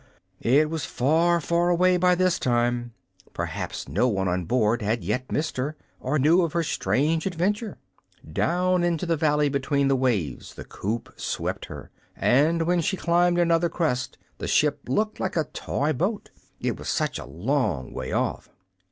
It was far, far away, by this time. Perhaps no one on board had yet missed her, or knew of her strange adventure. Down into a valley between the waves the coop swept her, and when she climbed another crest the ship looked like a toy boat, it was such a long way off.